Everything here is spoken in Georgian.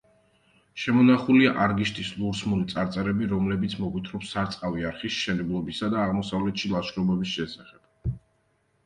შემონახულია არგიშთის ლურსმული წარწერები, რომლებიც მოგვითხრობს სარწყავი არხის მშენებლობისა და აღმოსავლეთში ლაშქრობების შესახებ.